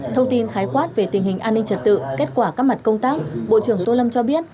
thông tin khái quát về tình hình an ninh trật tự kết quả các mặt công tác bộ trưởng tô lâm cho biết